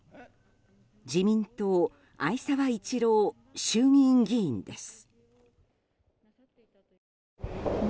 自民党逢沢一郎衆議院議員です。